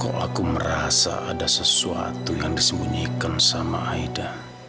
kalau aku merasa ada sesuatu yang disembunyikan sama aida